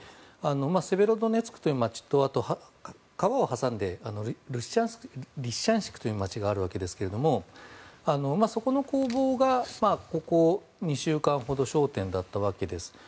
セベロドネツクという街とあと、川を挟んでリシチャンシクという街があるわけですけどもそこの攻防がここ２週間ほど焦点だったわけです。